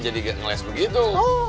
jadi ngeles begitu